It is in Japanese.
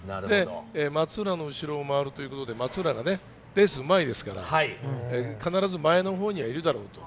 松浦の後ろを回るということで、松浦がレースうまいですから、必ず前の方にはいるだろうと。